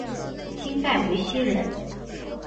清代无锡人。